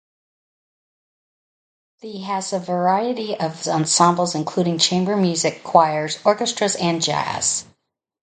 The has a variety of ensembles including chamber music, choirs, orchestras and jazz.